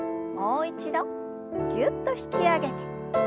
もう一度ぎゅっと引き上げて。